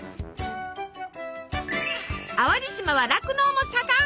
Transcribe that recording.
淡路島は酪農も盛ん。